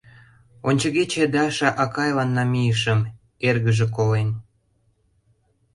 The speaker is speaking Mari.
Ончыгече Даша акайлан намийышым — эргыже колен.